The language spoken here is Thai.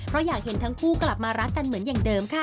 เพราะอยากเห็นทั้งคู่กลับมารักกันเหมือนอย่างเดิมค่ะ